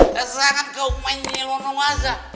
eh jangan kau menyelona waza